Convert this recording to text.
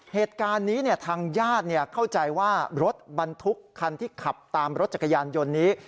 เหตุการณ์นี้ทางญาติเข้าใจว่ารถบรรทุกคันที่ขับตามรถจักรยานยนต์นี้